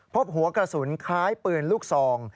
พบหัวกระสุนคล้ายปืนลูกซอง